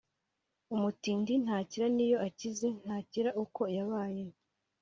Umutindi ntacyira niyo akize ntakira uko yabaye.